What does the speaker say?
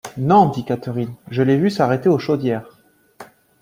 Non, dit Catherine, je l’ai vu s’arrêter aux chaudières.